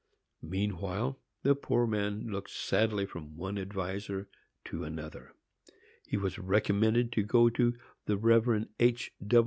Meanwhile, the poor old man looked sadly from one adviser to another. He was recommended to go to the Rev. H.